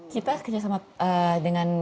kita kerjasama dengan